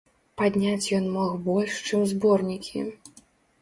Падняць ён мог больш, чым зборнікі.